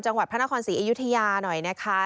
จังหวัดพระนครศรีอยุธยาหน่อยนะคะ